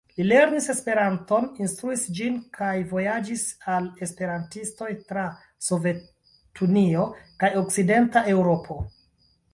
Li lernis Esperanton, instruis ĝin kaj vojaĝis al esperantistoj tra Sovetunio kaj okcidenta Eŭropo.